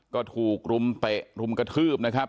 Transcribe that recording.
ก็ถูกรุมเตะรุมกระทืบนะครับ